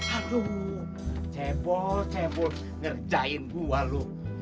aduh cebol cebol ngerjain gua lu